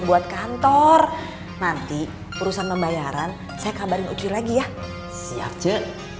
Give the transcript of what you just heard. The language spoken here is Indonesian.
buat kantor nanti urusan pembayaran saya kabarin uci lagi ya siap je